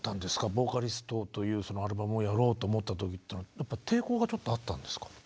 「ＶＯＣＡＬＩＳＴ」というそのアルバムをやろうと思った時っていうのは抵抗がちょっとあったんですか？